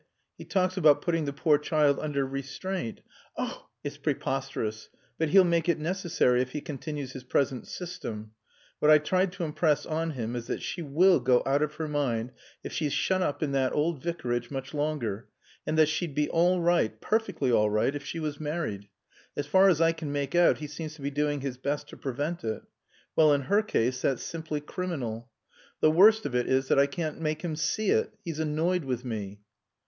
He talks about putting the poor child under restraint " "Oh " "It's preposterous. But he'll make it necessary if he continues his present system. What I tried to impress on him is that she will go out of her mind if she's kept shut up in that old Vicarage much longer. And that she'd be all right perfectly all right if she was married. As far as I can make out he seems to be doing his best to prevent it. Well in her case that's simply criminal. The worse of it is I can't make him see it. He's annoyed with me."